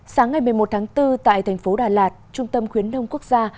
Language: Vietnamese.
sáng ngày một mươi một tháng bốn tại tp đà lạt trung tâm khuyến nông quốc gia